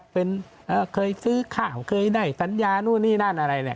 เป็นเคยซื้อข้าวเคยได้สัญญานู่นนี่นั่นอะไรเนี่ย